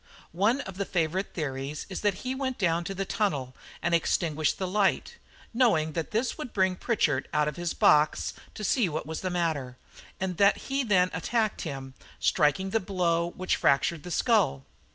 One of the favourite theories is that he went down to the tunnel and extinguished the light, knowing that this would bring Pritchard out of his box to see what was the matter, and that he then attacked him, striking the blow which fractured the skull."